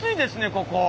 ここ。